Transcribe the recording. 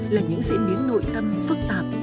là những diễn biến nội tâm phức tạp